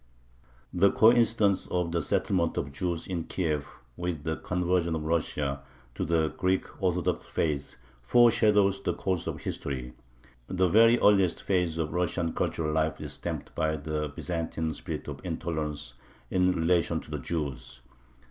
The coincidence of the settlement of Jews in Kiev with the conversion of Russia to the Greek Orthodox faith foreshadows the course of history. The very earliest phase of Russian cultural life is stamped by the Byzantine spirit of intolerance in relation to the Jews.